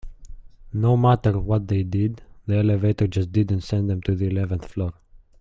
No matter what they did, the elevator just didn't send them to the eleventh floor.